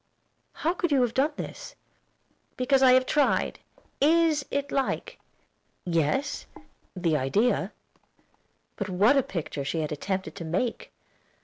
"How could you have done this?" "Because I have tried. Is it like?" "Yes, the idea." But what a picture she had attempted to make!